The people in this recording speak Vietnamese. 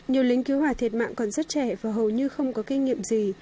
nhiều lính cứu hỏa thiệt mạng còn rất trẻ và hầu như không có kinh nghiệm gì